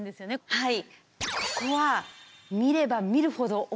はい。